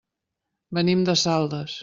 Venim de Saldes.